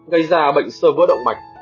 gây ra bệnh sơ vứa động mạch